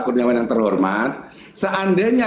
kurniawan yang terhormat seandainya